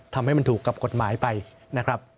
ทำให้มันถูกกับกฎหมายไปนะครับ